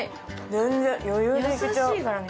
全然余裕でいけちゃう。